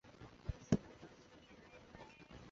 分布于南盘江及其所属水体等。